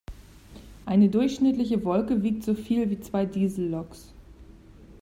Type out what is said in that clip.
Eine durchschnittliche Wolke wiegt so viel wie zwei Dieselloks.